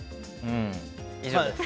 以上です。